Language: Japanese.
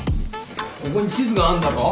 そこに地図があんだろ？